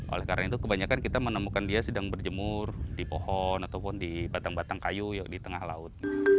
oleh karena itu kebanyakan kita menemukan dia sedang berjemur di pohon ataupun di batang batang kayu di tengah laut